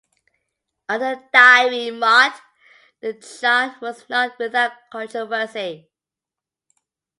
Under Dairy Mart, the chain was not without controversy.